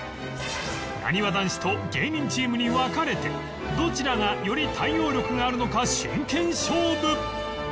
なにわ男子と芸人チームに分かれてどちらがより対応力があるのか真剣勝負